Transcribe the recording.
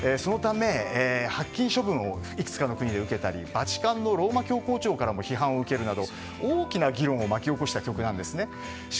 そのため、発禁処分をいくつかの国で受けたりバチカンのローマ教皇庁からも批判を受けるなど大きな議論を巻き起こした曲なんですね。